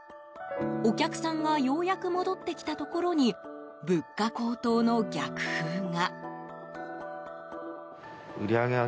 お客さんがようやく戻ってきたところに物価高騰の逆風が。